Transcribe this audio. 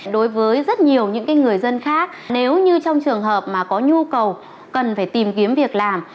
đối với rất nhiều những người dân khác nếu như trong trường hợp mà có nhu cầu cần phải tìm kiếm việc làm